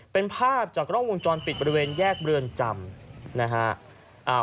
เป็นภาพจากกล้องวงจรปิดบริเวณแยกเรือนจำนะฮะ